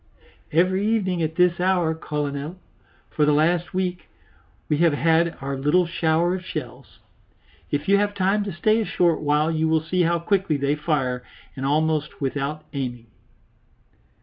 "Every evening at this hour, Colonel, for the last week, we have had our little shower of shells. If you have time to stay a short while you will see how quickly they fire and almost without aiming."